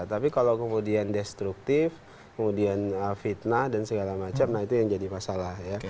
tapi kalau kemudian destruktif kemudian fitnah dan segala macam nah itu yang jadi masalah ya